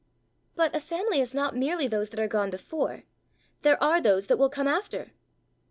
"But a family is not merely those that are gone before; there are those that will come after!"